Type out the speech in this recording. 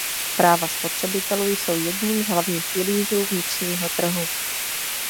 Práva spotřebitelů jsou jedním z hlavních pilířů vnitřního trhu.